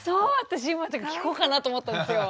私今聞こうかなと思ったんですよ。